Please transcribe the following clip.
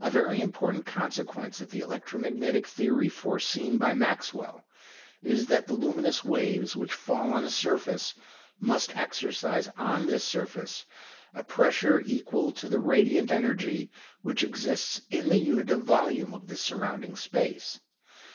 A very important consequence of the electromagnetic theory foreseen by Maxwell is that the luminous waves which fall on a surface must exercise on this surface a pressure equal to the radiant energy which exists in the unit of volume of the surrounding space.